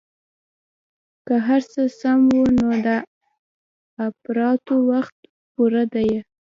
که هرڅه سم وو نو د اپراتو وخت پوره ديه.